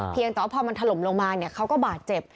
เพียงแต่ว่าพอมันถล่มลงมาเนี่ยเขาก็บาดเจ็บ